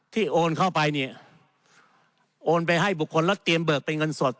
โอนเข้าไปเนี่ยโอนไปให้บุคคลแล้วเตรียมเบิกเป็นเงินสด